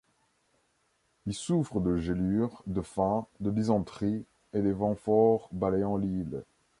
Ils souffrent de gelures, de faim, de dysenterie et des vents forts balayant l'île.